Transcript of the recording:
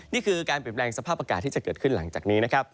นี่คือการเปลี่ยนแปลงสภาพอากาศที่จะเกิดขึ้นหลังจากนี้นะครับ